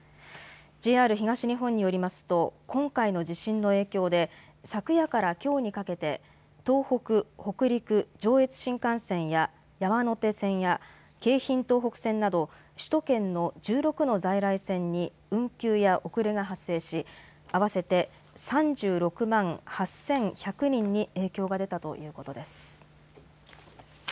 ＪＲ東日本によりますと今回の地震の影響で昨夜からきょうにかけて東北、北陸、上越新幹線や山手線や京浜東北線など首都圏の１６の在来線に運休や遅れが発生し合わせて３６万８１００人に影響が出たということです。